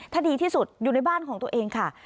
ถ้าดีที่สุดอยู่ในบ้านของตัวเองค่ะ